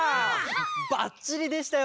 ばっちりでしたよ